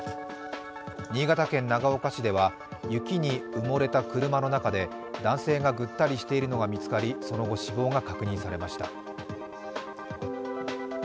新潟県長岡市では雪に埋もれた車の中で男性がぐったりしているのが見つかり、その後、死亡が確認されました。